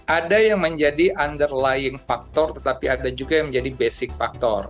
ada yang menjadi underlying factor tetapi ada juga yang menjadi basic factor